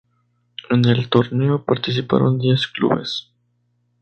En el torneo participaron diez clubes.